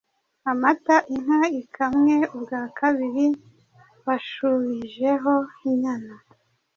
Amata inka ikamwe ubwa kabiri bashubijeho inyana.